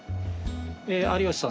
有吉さん